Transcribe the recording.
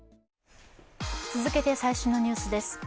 続けて最新のニュースです。